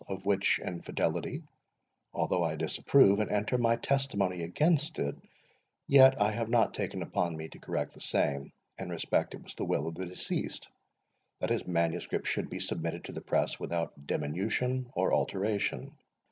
Of which infidelity, although I disapprove and enter my testimony against it, yet I have not taken upon me to correct the same, in respect it was the will of the deceased, that his manuscript should be submitted to the press without diminution or alteration.